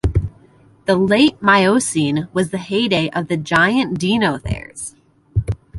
The late Miocene was the heyday of the giant deinotheres.